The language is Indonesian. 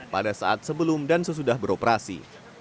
pada saat sebelum dan sesudah beroperasi